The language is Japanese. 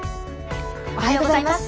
おはようございます。